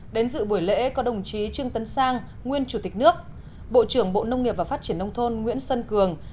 đến dự buổi lễ có đồng chí trương tấn sang nguyên chủ tịch nước bộ trưởng bộ nông nghiệp và phát triển nông thôn nguyễn xuân cường